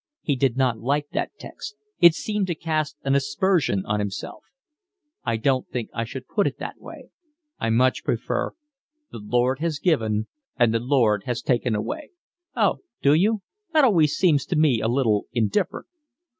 He did not like that text; it seemed to cast an aspersion on himself. "I don't think I should put that. I much prefer: The Lord has given and the Lord has taken away." "Oh, do you? That always seems to me a little indifferent."